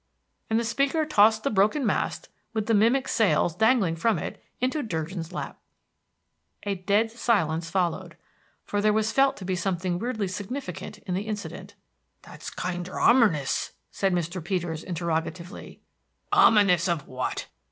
and the speaker tossed the broken mast, with the mimic sails dangling from it, into Durgin's lap. A dead silence followed, for there was felt to be something weirdly significant in the incident. "That's kinder omernous," said Mr. Peters, interrogatively. "Ominous of what?"